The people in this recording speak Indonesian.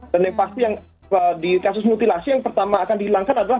dan yang pasti di kasus mutilasi yang pertama akan dihilangkan adalah